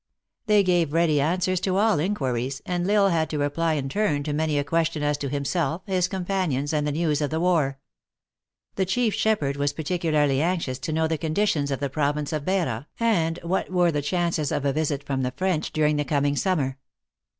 They gave ready answers to all inquiries, and L Isle had to reply in turn to many a question as to himself, his companions, and the news of the war. The chief shepherd was particularly anxious to know the condi tion of the province of Beira, and what were the chances of a visit there from the French during the coming summer.